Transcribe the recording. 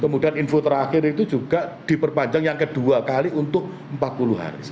kemudian info terakhir itu juga diperpanjang yang kedua kali untuk empat puluh hari